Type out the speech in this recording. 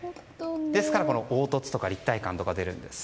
ですから凹凸とか立体感が出るんです。